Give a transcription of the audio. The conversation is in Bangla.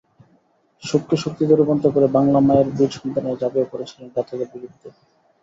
শোককে শক্তিতে রূপান্তর করে বাংলা মায়ের বীর সন্তানেরা ঝাঁপিয়ে পড়েছিলেন ঘাতকদের বিরুদ্ধে।